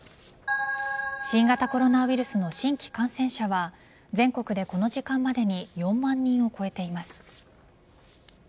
新型コロナウイルスの新規感染者は全国でこの時間までに４万人を超えています。